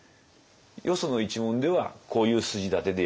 よその一門ではこういう筋立てでやります。